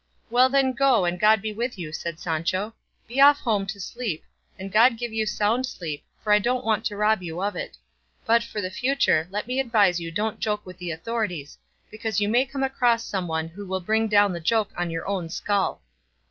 "Well then, go, and God be with you," said Sancho; "be off home to sleep, and God give you sound sleep, for I don't want to rob you of it; but for the future, let me advise you don't joke with the authorities, because you may come across some one who will bring down the joke on your own skull."